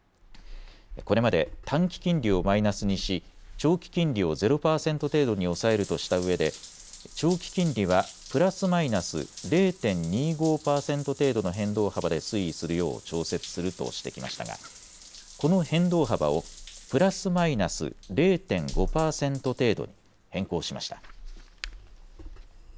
これまで短期金利をマイナスにし長期金利を０％程度に抑えるとしたうえで長期金利はプラスマイナス０．２５％程度の変動幅で推移するよう調節するとしてきましたが、この変動幅をプラスマイナス０．５％程度に変更しました。